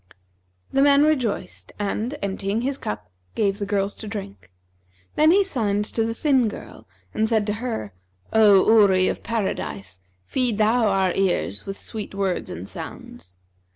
The man rejoiced and, emptying his cup, gave the girls to drink. Then he signed to the thin girl and said to her, 'O Houri of Paradise, feed thou our ears with sweet words and sounds.'